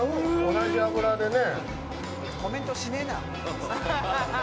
同じ脂でね